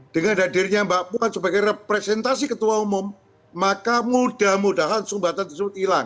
dengan hadirnya mbak puan sebagai representasi ketua umum maka mudah mudahan sumbatan tersebut hilang